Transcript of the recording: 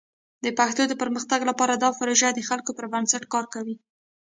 د پښتو د پرمختګ لپاره دا پروژه د خلکو پر بنسټ کار کوي.